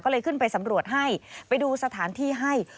ก็เลยขึ้นไปสำรวจให้ไปดูสถานที่ให้